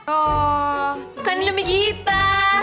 oh kan demi kita